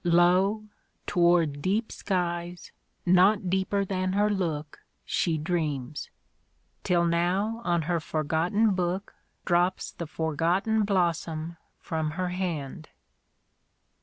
Lo ! towVd deep skies, not deeper than her look, She dreams ; till now on her forgotten book Drops the forgotten blossom from her hand.